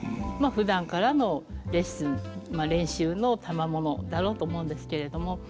まあふだんからのレッスン練習のたまものだろうと思うんですけれども。